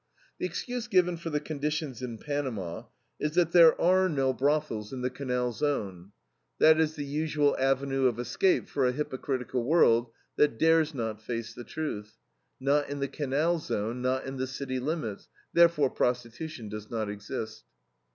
The excuse given for the conditions in Panama is that there are no brothels in the Canal Zone. That is the usual avenue of escape for a hypocritical world that dares not face the truth. Not in the Canal Zone, not in the city limits, therefore prostitution does not exist.